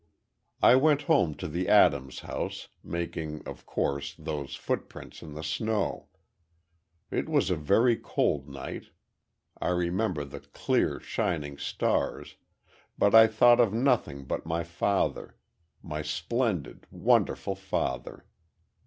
"I went home to the Adams house, making, of course, those footprints in the snow. It was a very cold night, I remember the clear shining stars, but I thought of nothing but my father—my splendid, wonderful father.